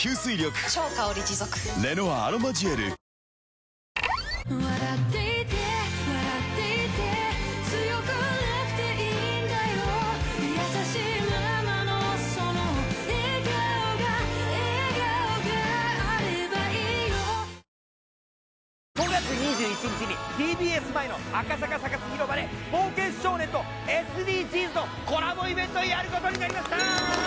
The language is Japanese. ちょっとでは５月２１日にＴＢＳ前の赤坂サカス広場で「冒険少年」とＳＤＧｓのコラボイベントをやることになりましたー